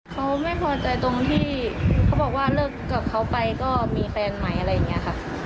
เขาไม่พอใจตรงที่เขาบอกว่าเลิกกับเขาไปก็มีแฟนใหม่อะไรอย่างนี้ค่ะ